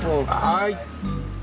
はい。